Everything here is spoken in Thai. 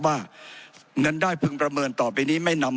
ผมจะขออนุญาตให้ท่านอาจารย์วิทยุซึ่งรู้เรื่องกฎหมายดีเป็นผู้ชี้แจงนะครับ